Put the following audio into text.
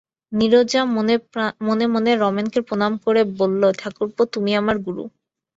নীরজা মনে মনে রমেনকে প্রণাম করে বললে, ঠাকুরপো, তুমি আমার গুরু।